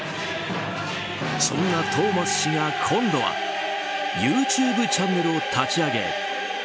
そんなトーマス氏が今度はＹｏｕＴｕｂｅチャンネルを立ち上げ